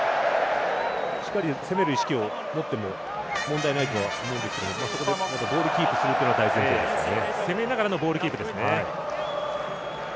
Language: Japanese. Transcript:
しっかり攻める意識を持っても問題ないとは思うんですけどボールをキープするのが大前提ですよね。